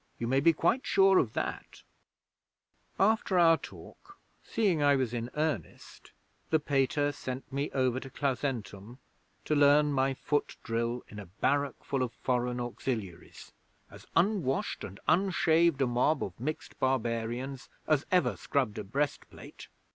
You may be quite sure of that. 'After our talk, seeing I was in earnest, the Pater sent me over to Clausentum to learn my foot drill in a barrack full of foreign auxiliaries as unwashed and unshaved a mob of mixed barbarians as ever scrubbed a breastplate.